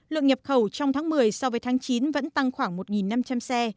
lượng nhập khẩu trong tháng một mươi so với tháng chín vẫn tăng khoảng một năm trăm linh xe